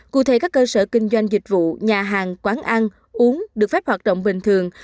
cụ thể các cơ sở kinh doanh dịch vụ nhà hàng quán ăn uống được phép hoạt động bình thường